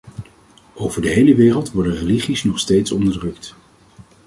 Over de hele wereld worden religies nog steeds onderdrukt.